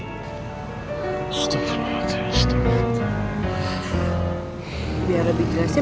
biar lebih jelasnya